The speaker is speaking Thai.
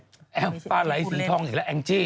เอ้าปลาไหลสีทองอีกแล้วแอมจิ